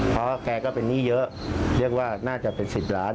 เพราะแกก็เป็นหนี้เยอะเรียกว่าน่าจะเป็น๑๐ล้าน